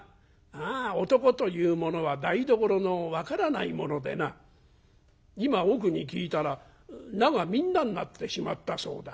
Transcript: あ男というものは台所の分からないものでな今奥に聞いたら菜が皆になってしまったそうだ。